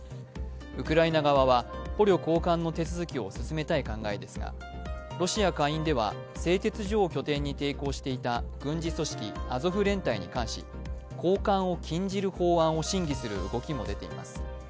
ウクライナ側は捕虜交換の手続きを進めたい考えですが、ロシア下院では製鉄所を拠点に抵抗していた軍事組織アゾフ連隊に関し交換を禁じる法案を審議する動きも出ています。